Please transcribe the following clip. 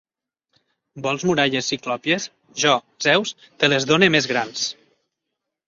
Vols muralles ciclòpies? Jo, Zeus, te les done més grans.